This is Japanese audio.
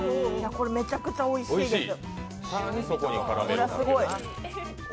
これ、めちゃくちゃおいしいです。